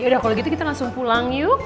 udah kalau gitu kita langsung pulang yuk